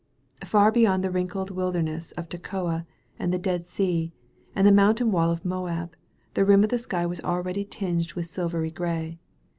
Far beyond the wrinkled wilderness of Tekoa, and the Dead Sea, and the mountun wall of Moab, the rim of the sky was already tinged with silvery gray.